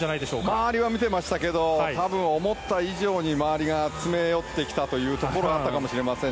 周りを見ていましたけど多分、思った以上に周りが詰め寄ってきたというところはあったかもしれません。